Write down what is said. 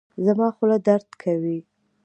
زما خوله درد کوي